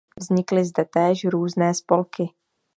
Vznikly zde též různé spolky.